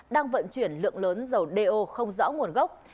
đang vận chuyển lượng lớn dầu đeo không rõ nguồn gốc